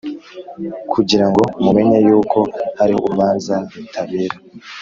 kugira ngo mumenye yuko hariho urubanza rutabera”